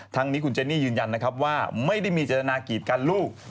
ทั้งนี้คุณเจนี่ยืนยันนะครับว่าไม่ได้มีเจตนากีดกันลูก